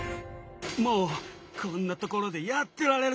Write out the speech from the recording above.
もうこんな所でやってられるか。